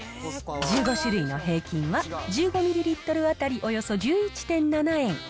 １５種類の平均は、１５ミリリットル当たりおよそ１１．７円。